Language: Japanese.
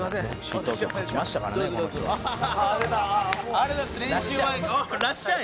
あっらっしゃい？